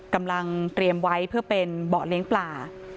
กำลังเตรียมไว้เพื่อเป็นเบาะเลี้ยงปลา